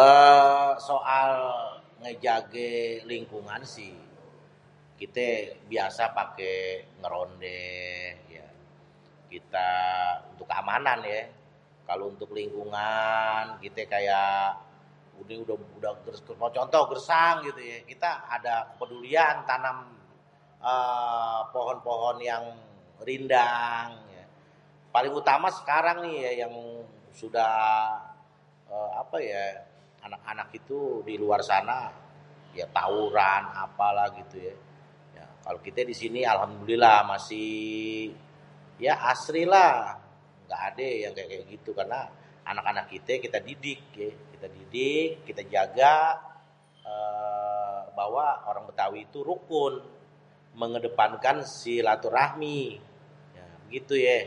eee soal ngejagé lingkungan si kité biasa pake ngerondé yé kita untuk keamanan yé. Kalo untuk lingkungan kite kaya contoh kaya gersang kita ada kepedulian eee pohon-pohon yang rindang, paling utama sekarang ni ye sudah apé yé anak-anak itu diluar sana ya tawuran apalah gitu ya. Kalau kité disini alhamdulillah masih asri lah ya engga adé yang kaya-kaya gitu karena anak-anak kité, kité didik, kité jaga, eee bahwa orang Bétawi itu rukun mengedepankan silaturahmi ya begitu yé.